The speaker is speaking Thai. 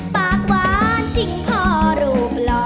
ปากหวานทิ้งพ่อรูปหล่อ